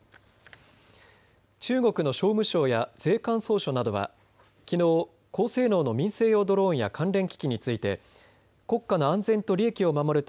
中国の商務省や税関総署などはきのう高性能の民生用ドローンや関連機器について国家の安全と利益を守る